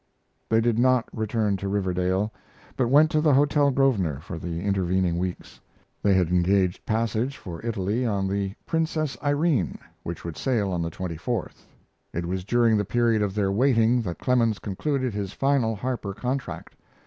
They did not return to Riverdale, but went to the Hotel Grosvenor for the intervening weeks. They had engaged passage for Italy on the Princess Irene, which would sail on the 24th. It was during the period of their waiting that Clemens concluded his final Harper contract.